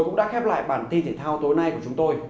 cũng đã khép lại bản tin thể thao tối nay của chúng tôi